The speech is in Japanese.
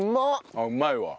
あっうまいわ。